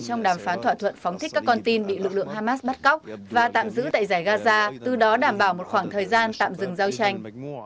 trong đàm phán thỏa thuận phóng thích các con tin bị lực lượng hamas bắt cóc và tạm giữ tại giải gaza từ đó đảm bảo một khoảng thời gian tạm dừng giao tranh